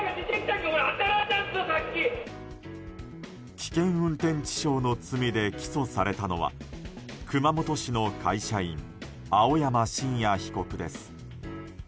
危険運転致傷の罪で起訴されたのは熊本市の会社員青山真也被告です。